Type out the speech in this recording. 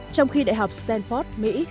trong khi đại học stanford mỹ